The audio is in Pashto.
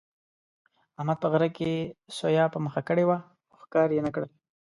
احمد په غره کې سویه په مخه کړې وه، خو ښکار یې نه کړله.